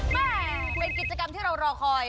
แม่เป็นกิจกรรมที่เรารอคอย